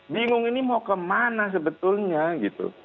bingung ini mau kemana sebetulnya gitu